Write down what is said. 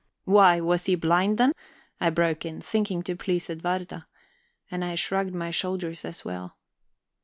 "Why, was he blind, then?" I broke in, thinking to please Edwarda. And I shrugged my shoulders as well.